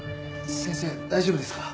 先生大丈夫ですか？